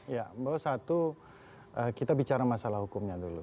ya bahwa satu kita bicara masalah hukumnya dulu